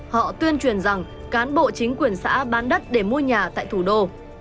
họ tuyên truyền rằng cán bộ chính quyền xã bán đất để mua nhà tại thủ đô